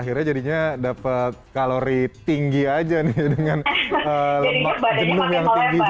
akhirnya jadinya dapat kalori tinggi aja nih dengan lemak jenung yang lebih biju